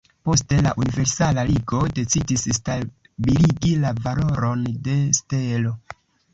Poste la Universala Ligo decidis stabiligi la valoron de stelo.